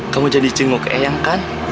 kamu jadi jenguk eyang kan